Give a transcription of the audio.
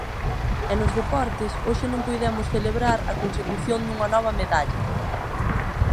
E nos deportes, hoxe non puidemos celebrar a consecución dunha nova medalla.